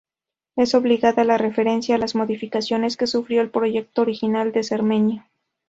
Es obligada la referencia a las modificaciones que sufrió el proyecto original de Cermeño.